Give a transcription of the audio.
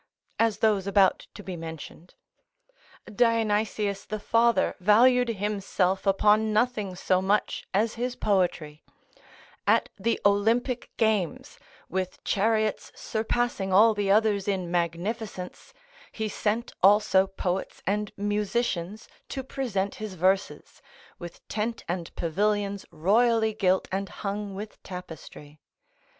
[As those about to be mentioned.] Dionysius the father valued himself upon nothing so much as his poetry; at the Olympic games, with chariots surpassing all the others in magnificence, he sent also poets and musicians to present his verses, with tent and pavilions royally gilt and hung with tapestry.